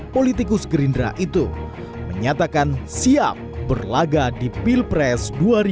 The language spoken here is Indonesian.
politikus gerindra itu menyatakan siap berlaga di pilpres dua ribu dua puluh